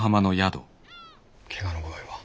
怪我の具合は？